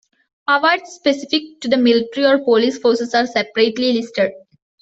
Awards specific to the military or police forces are separately listed.